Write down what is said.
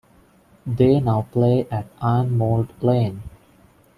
They now play at Ironmould Lane.